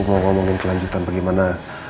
mau ngomongin kelanjutan bagaimana